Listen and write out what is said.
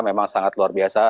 memang sangat luar biasa